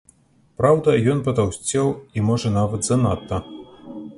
Праўда, ён патаўсцеў, і, можа, нават занадта.